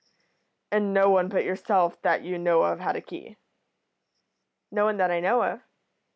"'And no one but yourself, that you know of, had a key?' "'No one that I know of.'